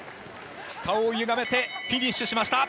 顔をゆがめてフィニッシュしました。